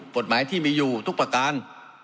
กฎหมายที่มีอยู่ทุกประการ